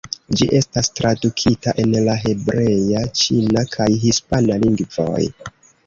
Ĝi estas tradukita en la hebrea, ĉina kaj hispana lingvoj.